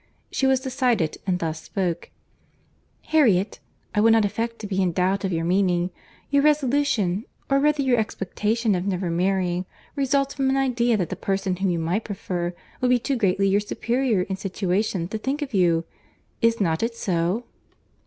—She was decided, and thus spoke— "Harriet, I will not affect to be in doubt of your meaning. Your resolution, or rather your expectation of never marrying, results from an idea that the person whom you might prefer, would be too greatly your superior in situation to think of you. Is not it so?"